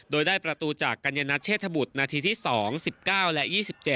โดยได้ประตูจากกัญญนัทเชษฐบุตรนาทีที่๒๑๙และ๒๗